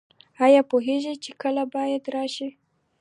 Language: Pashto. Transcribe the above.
ایا پوهیږئ چې کله باید راشئ؟